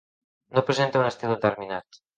No presenta un estil determinat.